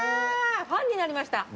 ファンになりました。